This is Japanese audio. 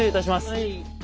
はい。